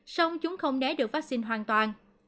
xong chúng không né được vắc xin hoàn toàn